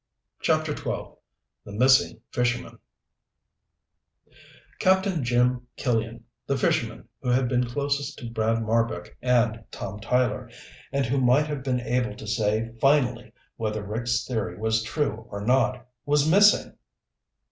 CHAPTER XII The Missing Fisherman Captain Jim Killian, the fisherman who had been closest to Brad Marbek and Tom Tyler, and who might have been able to say finally whether Rick's theory was true or not, was missing!